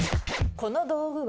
この道具は？